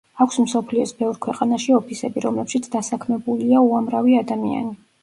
აქვს მსოფლიოს ბევრ ქვეყანაში ოფისები, რომლებშიც დასაქმებულია უამრავი ადამიანი.